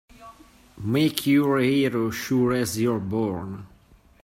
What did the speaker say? Make you're a hero sure as you're born!